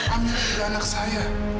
amira juga anak saya